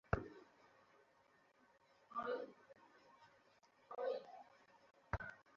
সঙ্গীরা সাঈদের লাশ পার্শ্ববর্তী রাজগঞ্জ গ্রামের একটি বাড়ির সামনে রেখে পালিয়ে যায়।